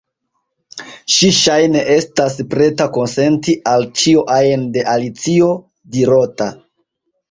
Ŝi ŝajne estis preta konsenti al ĉio ajn de Alicio dirota.